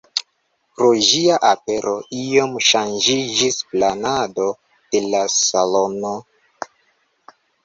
Pro ĝia apero iom ŝanĝiĝis planado de la salono.